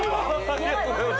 ありがとうございます。